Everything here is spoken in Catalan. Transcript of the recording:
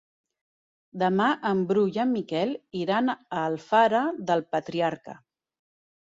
Demà en Bru i en Miquel iran a Alfara del Patriarca.